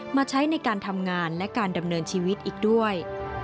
มาใช้ในการทำงานและการดำเนินชีวิตอีกด้วย